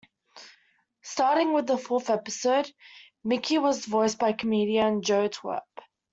Starting with the fourth episode, Mickey was voiced by comedian Joe Twerp.